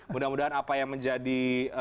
mudah mudahan apa yang menjadi